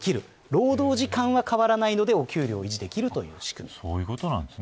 労働時間は変わらないのでお給料を維持できるという仕組み。